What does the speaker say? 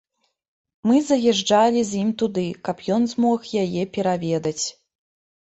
Мы заязджалі з ім туды, каб ён змог яе пераведаць.